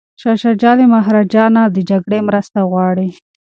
شاه شجاع له مهاراجا نه د جګړې مرسته غواړي.